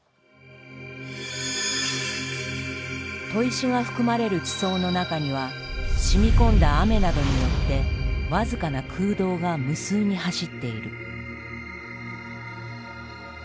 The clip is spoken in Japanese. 砥石が含まれる地層の中には染み込んだ雨などによって僅かな空洞が無数に走っている。